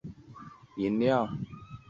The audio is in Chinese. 他不喝酒精类饮料。